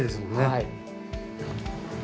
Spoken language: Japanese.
はい。